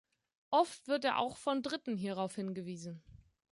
Oft wird er auch von Dritten hierauf hingewiesen.